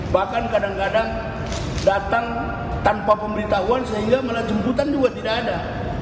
bahkan kadang kadang datang tanpa pemberitahuan sehingga malah jemputan juga tidak ada